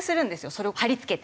それを貼り付けて。